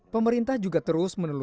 pemerintah juga terus menelusuri